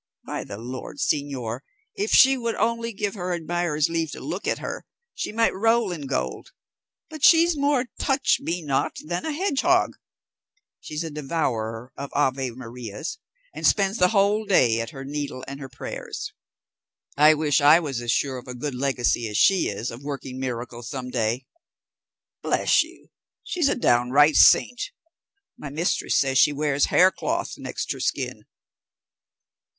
By the Lord, señor, if she would only give her admirers leave to look at her, she might roll in gold; but she's more touch me not than a hedgehog; she's a devourer of Ave Marias, and spends the whole day at her needle and her prayers. I wish I was as sure of a good legacy as she is of working miracles some day. Bless you, she's a downright saint; my mistress says she wears hair cloth next her skin."